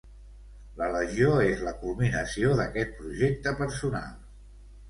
La Legió és la culminació d'aquest projecte personal.